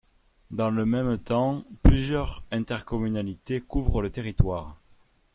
Dans le même temps, plusieurs intercommunalités couvrent le territoire.